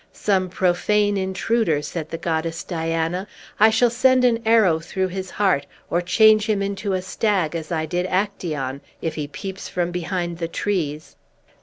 "Some profane intruder!" said the goddess Diana. "I shall send an arrow through his heart, or change him into a stag, as I did Actaeon, if he peeps from behind the trees!"